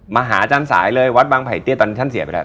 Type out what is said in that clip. มาหาอาจารย์สายเลยวัดบางไผ่เตี้ยตอนนี้ท่านเสียไปแล้ว